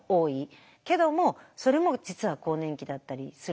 けどもそれも実は更年期だったりするんだって。